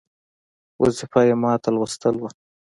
وظیفه یې ماته لوستل وه.